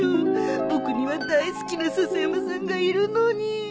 僕には大好きな笹山さんがいるのに